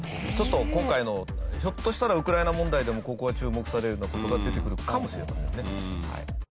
ちょっと今回のひょっとしたらウクライナ問題でもここが注目されるような事が出てくるかもしれないですね。